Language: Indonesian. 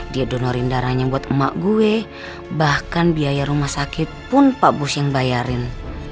dia donorin darahnya buat emak gue bahkan biaya rumah sakit pun pak bus yang bayarin